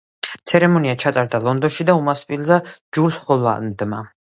ცერემონია ჩატარდა ლონდონში და უმასპინძლა ჯულს ჰოლანდმა.